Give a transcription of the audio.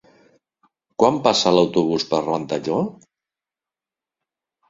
Quan passa l'autobús per Ventalló?